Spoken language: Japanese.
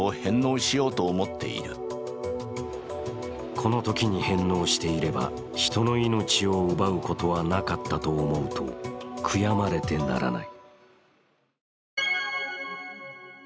このときに返納していれば人の命を奪うことはなかったと思うと悔やまれてならない。